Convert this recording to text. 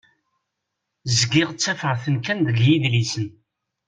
Zgiɣ ttafeɣ-ten kan deg yidlisen.